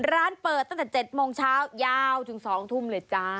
ร้านเปิดตั้งแต่๗โมงเช้ายาวถึง๒ทุ่มเลยจ้า